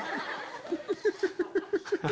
フフフ。